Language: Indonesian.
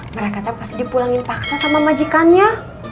mereka pasti dipulangin paksa sama majikannya